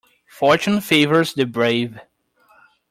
Fortune favours the brave.